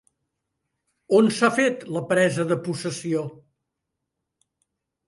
On s'ha fet la presa de possessió?